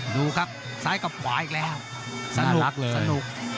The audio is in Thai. ดูครับซ้ายกับขวาอีกแล้วสนุก